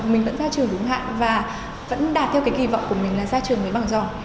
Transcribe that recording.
mình vẫn ra trường đúng hạn và vẫn đạt theo cái kỳ vọng của mình là ra trường mới bằng giòn